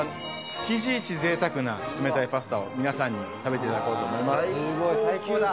築地一ぜいたくな冷たいパスタを皆さんに食べていただこうと思い最高だ。